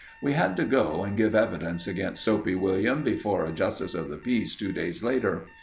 We had to go and give evidence against Soapy William before a Justice of the Peace two days later.